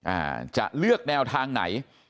อ่าจะเลือกแนวทางไหน